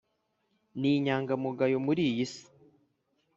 ni inyangamugayo muri iyi si